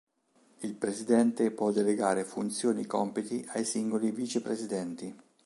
Il presidente può delegare funzioni e compiti ai singoli vicepresidenti.